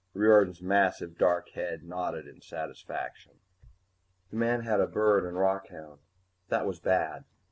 Riordan's massive dark head nodded in satisfaction. The man had a bird and a rockhound. That was bad.